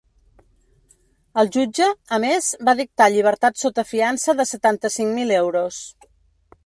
El jutge, a més, va dictar llibertat sota fiança de setanta-cinc mil euros.